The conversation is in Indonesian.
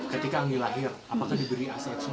ketika anggi lahir apakah diberi aset susu